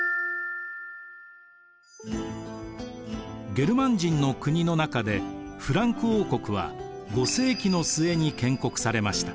ゲルマン人の国の中でフランク王国は５世紀の末に建国されました。